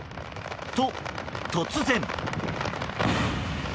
と、突然。